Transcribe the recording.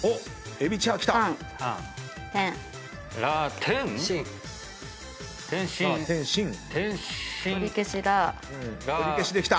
とりけしできた。